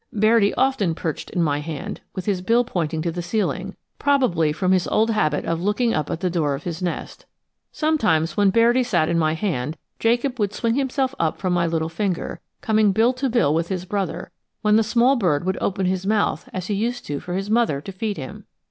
Bairdi often perched in my hand, with his bill pointing to the ceiling, probably from his old habit of looking up at the door of his nest. Sometimes when Bairdi sat in my hand, Jacob would swing himself up from my little finger, coming bill to bill with his brother, when the small bird would open his mouth as he used to for his mother to feed him.